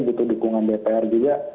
butuh dukungan bpr juga